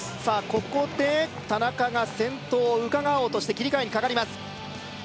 ここで田中が先頭をうかがおうとして切り替えにかかります